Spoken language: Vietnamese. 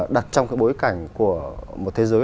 đặt trong cái bối cảnh của một thế giới